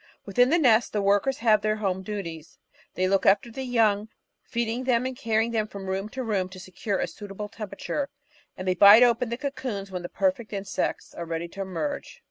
Within the nest, the workers have their home duties, they look after the young, feeding them and carrying them from room to room to secure a suitable tem perature, and they bite open the cocoons when the perfect insects are ready to emerge.